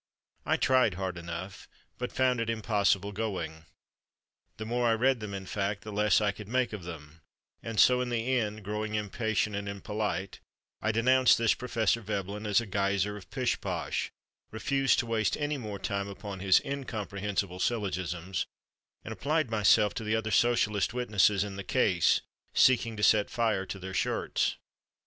I tried hard enough, but found it impossible going. The more I read them, in fact, the less I could make of them, and so in the end, growing impatient and impolite, I denounced this Prof. Veblen as a geyser of pishposh, refused to waste any more time upon his incomprehensible syllogisms, and applied myself to the other Socialist witnesses in the case, seeking to set fire to their shirts.